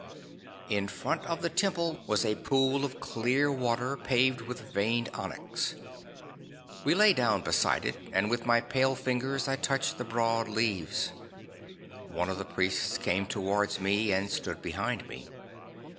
'In front of the temple was a pool of clear water paved with veined onyx. I lay down beside it, and with my pale fingers I touched the broad leaves. One of the priests came towards me and stood behind me.